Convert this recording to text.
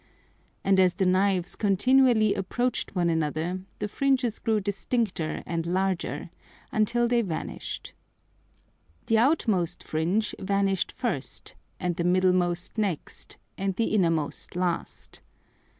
And as the Knives continually approach'd one another, the Fringes grew distincter and larger, until they vanish'd. The outmost Fringe vanish'd first, and the middlemost next, and the innermost last.